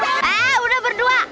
eh udah berdua